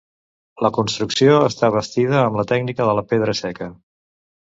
La construcció està bastida amb la tècnica de la pedra seca.